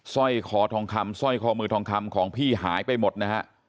ร้อยคอทองคำสร้อยคอมือทองคำของพี่หายไปหมดนะฮะ